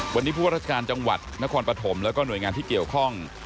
วันนี้ผู้ว่าราชการจังหวัดนครปฐมแล้วก็หน่วยงานที่เกี่ยวข้อง